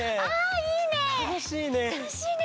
いいね！